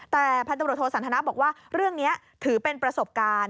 แต่พันตำรวจโทสันทนาบอกว่าเรื่องนี้ถือเป็นประสบการณ์